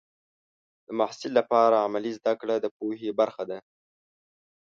د محصل لپاره عملي زده کړه د پوهې برخه ده.